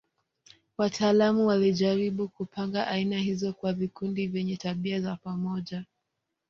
Wataalamu walijaribu kupanga aina hizo kwa vikundi vyenye tabia za pamoja.